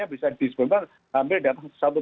bisa disempat hampir datang